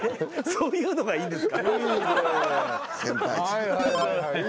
そういうのがいいんだ。